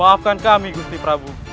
maafkan kami gusti prabu